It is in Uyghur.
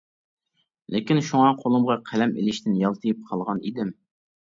لېكىن شۇڭا قولۇمغا قەلەم ئېلىشتىن يالتىيىپ قالغان ئىدىم.